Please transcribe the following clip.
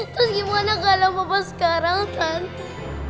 terus gimana gala papa sekarang tante